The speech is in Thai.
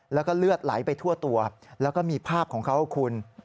แล้วก็เลือดไหลไปทั่วตัวแล้วก็มีภาพของเขาคุณ